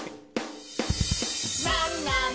なんなん？